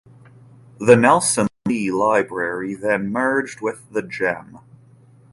The Nelson Lee Library then merged with the Gem.